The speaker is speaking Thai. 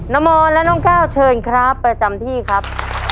มอนและน้องแก้วเชิญครับประจำที่ครับ